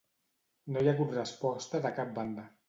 No hi ha hagut resposta per cap banda.